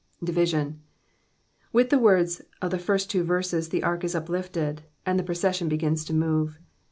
Division. — With the loords of the first two verses the ark is uplifted, and the proces'iion begins to move.